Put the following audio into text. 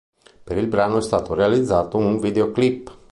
Per il brano, è stato realizzato un videoclip.